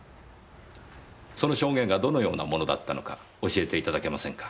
その証言がどのようなものだったのか教えていただけませんか？